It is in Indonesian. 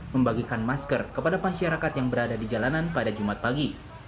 membagikan masker kepada masyarakat yang berada di jalanan pada jumat pagi